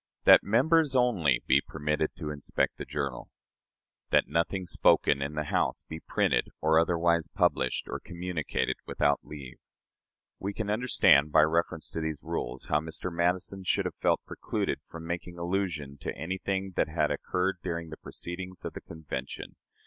"That members only be permitted to inspect the journal. "That nothing spoken in the House be printed, or otherwise published or communicated, without leave." We can understand, by reference to these rules, how Mr. Madison should have felt precluded from making allusion to anything that had occurred during the proceedings of the Convention.